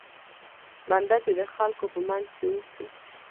بنده چې د خلکو په منځ کې اوسي.